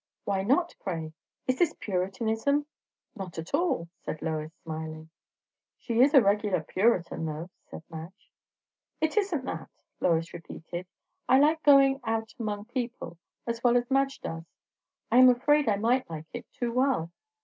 "Why not, pray? Is this Puritanism?" "Not at all," said Lois, smiling. "She is a regular Puritan, though," said Madge. "It isn't that," Lois repeated. "I like going out among people as well as Madge does. I am afraid I might like it too well."